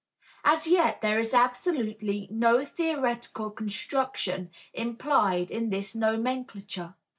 As yet there is absolutely no theoretical construction implied in this nomenclature.